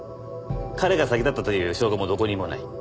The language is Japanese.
彼が先だったという証拠もどこにもない。